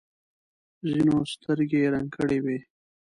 ځینو سترګې رنګ کړې وي.